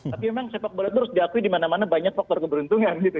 tapi memang sepak bola itu harus diakui di mana mana banyak faktor keberuntungan gitu